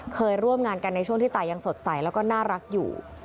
เคยร่วมงานกันในช่วงที่ตายังสดใสแล้วก็น่ารักอยู่